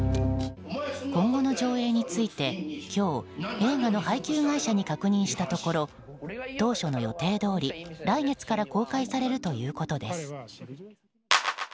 今後の上映について今日、映画の配給会社に確認したところ当初の予定どおり、来月から公開されるということです。